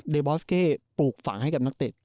บอสเก้ปลูกฝังให้กับนักเตะ